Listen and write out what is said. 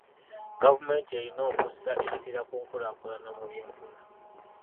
Gavumenti erina okussa essira ku nkulaakulana mu byenfuna.